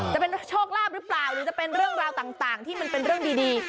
จะเป็นโชคลาภหรือเปล่าหรือจะเป็นเรื่องราวต่างที่มันเป็นเรื่องดี